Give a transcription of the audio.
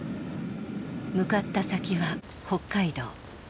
向かった先は北海道。